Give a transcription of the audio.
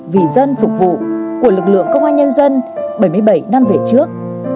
vì dân phục vụ của lực lượng công an nhân dân bảy mươi bảy năm về trước